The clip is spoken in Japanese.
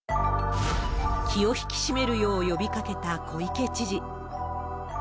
気を引き締めるよう呼びかけた小池知事。